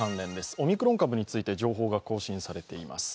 オミクロン株について情報が更新されています。